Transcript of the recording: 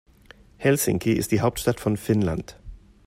Helsinki ist die Hauptstadt von Finnland.